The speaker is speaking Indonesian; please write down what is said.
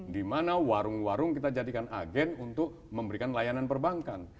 di mana warung warung kita jadikan agen untuk memberikan layanan perbankan